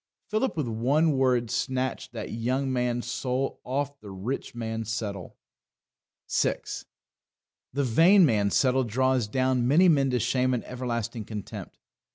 Philip with one word snatched that young man's soul off The Rich Man's Settle. 6. The Vain Man's Settle draws down many men to shame and everlasting contempt.